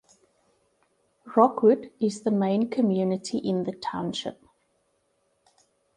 Rockwood is the main community in the township.